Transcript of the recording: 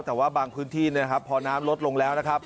แต่ว่าบางพื้นที่พอน้ำลดลงแล้ว